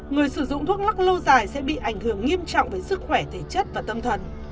người sử dụng thuốc lắc lâu dài sẽ bị ảnh hưởng nghiêm trọng với sức khỏe thể chất và tâm thần